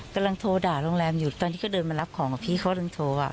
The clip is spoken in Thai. กำลังโทรด่าโรงแรมอยู่ตอนที่เขาเดินมารับของพี่เขายังโทรอ่ะ